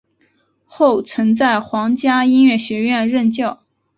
后曾在皇家音乐学院任教。